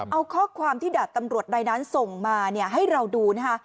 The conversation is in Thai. เอาข้อความที่ดาบตำรวจนายนั้นส่งมาให้เราดูนะคะ